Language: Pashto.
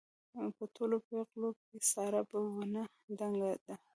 په ټولو پېغلو کې ساره په ونه دنګه ده.